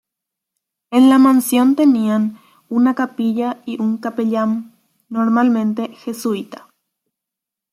En la mansión tenían una capilla y un capellán, normalmente jesuita.